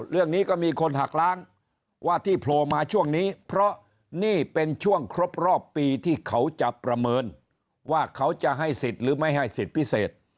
เรื่องนี้ก็มีคนหักล้างว่าที่โผล่มาช่วงนี้เพราะนี่เป็นช่วงครบรอบปีที่เขาจะประเมินว่าเขาจะให้สิทธิ์หรือไม่ให้สิทธิ์พิเศษ